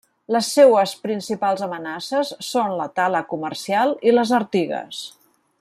Les seues principals amenaces són la tala comercial i les artigues.